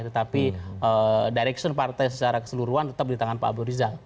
tetapi direction partai secara keseluruhan tetap di tangan pak abu rizal